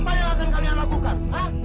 apa yang akan kalian lakukan